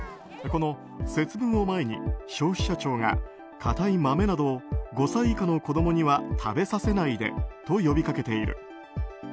この節分を前に消費者庁が硬い豆などを５歳以下の子供には食べさせないでと呼びかけている。